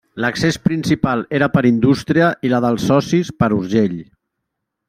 L'accés principal era per Indústria i la dels socis per Urgell.